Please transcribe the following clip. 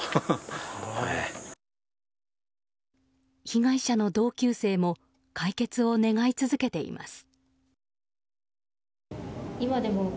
被害者の同級生も解決を願い続けています。